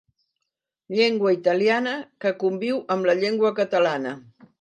Llengua italiana que conviu amb la llengua catalana.